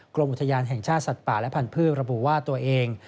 กรมอุทยานแห่งชาติสัตว์ป่าและพันธุ์ระบุว่าตัวเอง